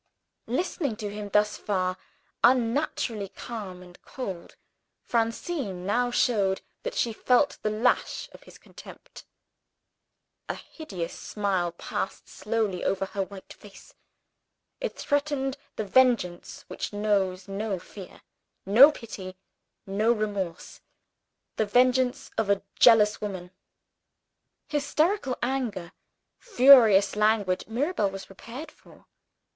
Listening to him thus far, unnaturally calm and cold, Francine now showed that she felt the lash of his contempt. A hideous smile passed slowly over her white face. It threatened the vengeance which knows no fear, no pity, no remorse the vengeance of a jealous woman. Hysterical anger, furious language, Mirabel was prepared for.